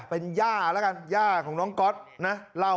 เป็นย่าแล้วกันย่าของน้องก๊อตนะเล่า